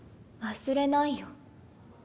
忘れないよ。